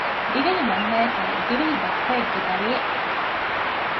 ދިވެހި މަންމައަކާއި ދިވެހި ބައްޕައެއްގެ ދަރިއެއް